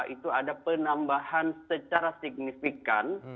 itu ada penambahan secara signifikan